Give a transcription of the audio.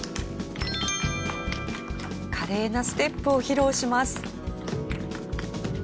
華麗なステップを披露します。